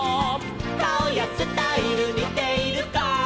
「かおやスタイルにているか」